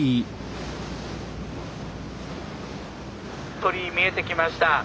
鳥居見えてきました。